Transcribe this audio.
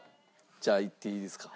じゃあいっていいですか？